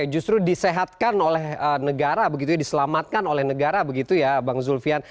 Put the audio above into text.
justru disehatkan oleh negara begitu ya diselamatkan oleh negara begitu ya bang zulfian